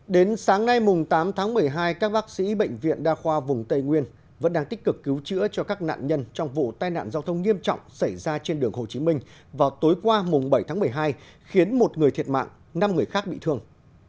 đến sáng nay tám tháng một mươi hai các bác sĩ bệnh viện đa khoa vùng tây nguyên vẫn đang tích cực cứu chữa cho các nạn nhân trong vụ tai nạn giao thông nghiêm trọng xảy ra trên đường hồ chí minh vào tối qua mùng bảy tháng một mươi hai khiến một người thiệt mạng năm người khác bị thương